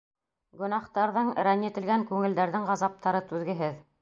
— Гонаһтарҙың, рәнйетелгән күңелдәрҙең ғазаптары түҙгеһеҙ.